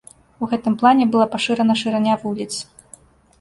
У гэтым плане была пашырана шырыня вуліц.